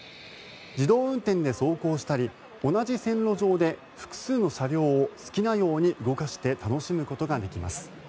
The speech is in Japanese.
自動運転で走行したり同じ線路上で複数の車両を好きなように動かして楽しむことができます。